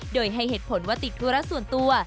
โดยให้เหตุผลว่าติดธุระส่วนตัว